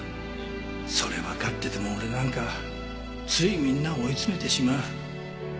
それわかってても俺なんかついみんなを追い詰めてしまう。